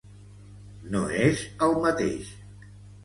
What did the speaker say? No és el mateix.